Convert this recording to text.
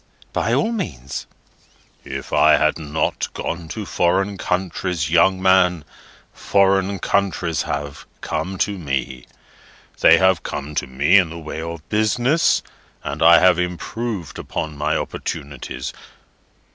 "By all means." "If I have not gone to foreign countries, young man, foreign countries have come to me. They have come to me in the way of business, and I have improved upon my opportunities.